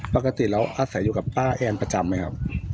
ปกติเราอาศัยอยู่กับป้าแอนประจำไหมครับ